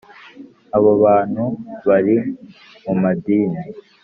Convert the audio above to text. Abo bantu bari mu madini